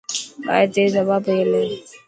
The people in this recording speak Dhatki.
ٻاهر تيز هوا پئي هلي.